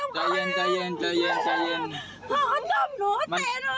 ก็ตีหนูน่ะสังคม